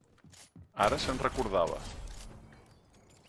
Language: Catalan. Ara se'n recordava.